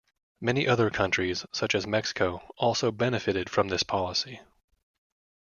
Many other countries, such as Mexico, also benefited from this policy.